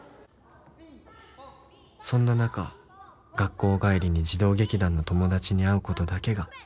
「そんな中学校帰りに児童劇団の友達に会うことだけが」